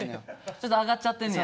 ちょっと上がっちゃってんねや。